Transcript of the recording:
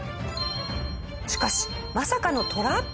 しかしまさかのトラップが！